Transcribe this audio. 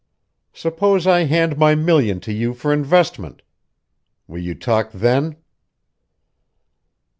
Suppose I hand my million to you for investment. Will you talk, then?"